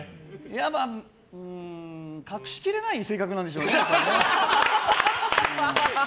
やっぱ隠し切れない性格なんでしょうね。